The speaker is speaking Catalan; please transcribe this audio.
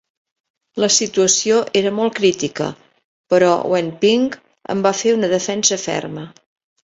La situació era molt crítica, però Wen Ping en va fer una defensa ferma.